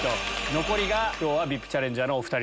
残りが今日はＶＩＰチャレンジャーのお２人。